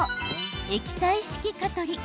液体式蚊取り。